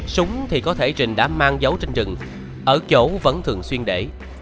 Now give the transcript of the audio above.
súng thì có thể trình đã mang dấu trên rừng ở chỗ vẫn thường xuyên để